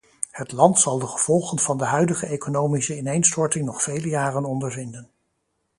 Het land zal de gevolgen van de huidige economische ineenstorting nog vele jaren ondervinden.